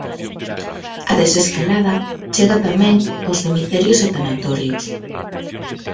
A desescalada chega tamén aos cemiterios e tanatorios.